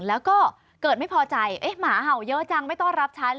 แล้วก็เกิดไม่พอใจเอ๊ะหมาเห่าเยอะจังไม่ต้อนรับฉัน